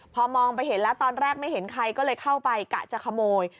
พอมองไปเห็นแล้วตอนแรกไม่เห็นใครก็เลยเข้าไปกะจะขโมย